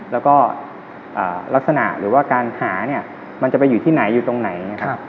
แล้วก็ลักษณะหรือว่าการหามันจะไปอยู่ที่ไหนอยู่ตรงไหน